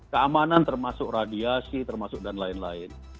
keamanan termasuk radiasi termasuk dan lain lain